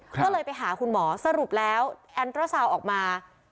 ก็เลยไปหาคุณหมอสรุปแล้วแอนเตอร์ซาวน์ออกมา